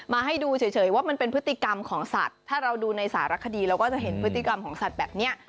ให้ดูเฉยว่ามันเป็นพฤติกรรมของสัตว์ถ้าเราดูในสารคดีเราก็จะเห็นพฤติกรรมของสัตว์แบบนี้